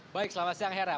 baik selamat siang hera